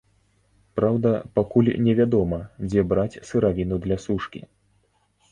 Праўда, пакуль невядома, дзе браць сыравіну для сушкі.